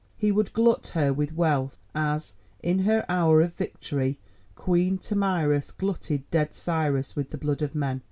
He would glut her with wealth as, in her hour of victory, Queen Tomyris glutted dead Cyrus with the blood of men.